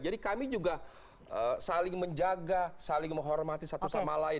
jadi kami juga saling menjaga saling menghormati satu sama lain